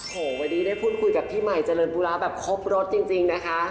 โอ้โหวันนี้ได้พูดคุยกับพี่ใหม่เจริญธุระแบบครบรถจริงนะคะ